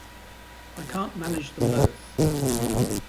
I can't manage them both.